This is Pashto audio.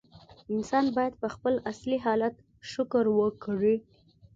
انسان باید په خپل اصلي حالت شکر وکړي.